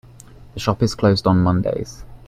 The shop is closed on Mondays.